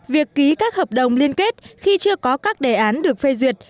việc ký các hợp đồng liên kết khi chưa có các đề án được phê duyệt